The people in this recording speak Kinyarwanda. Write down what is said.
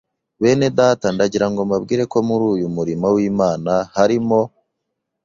benedata ndagirango mbabwire ko muri uyu murimo w’Imana harimo